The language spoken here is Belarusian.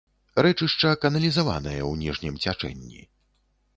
Рэчышча каналізаванае ў ніжнім цячэнні.